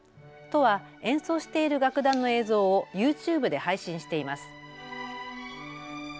都は演奏している楽団の映像をＹｏｕＴｕｂｅで配信しています。